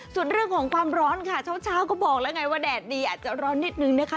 ส่วนเรื่องของความร้อนค่ะเช้าก็บอกแล้วไงว่าแดดดีอาจจะร้อนนิดนึงนะคะ